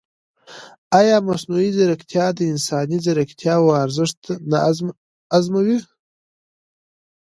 ایا مصنوعي ځیرکتیا د انساني ځانګړتیاوو ارزښت نه ازموي؟